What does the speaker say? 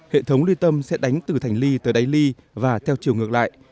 hệ thống ly tâm sẽ đánh từ thành ly tới đáy ly và theo chiều ngược lại